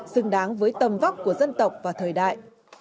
xứng đáng với tầm vóc của dân tộc và thời đại